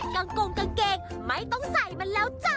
งกงกางเกงไม่ต้องใส่มันแล้วจ้ะ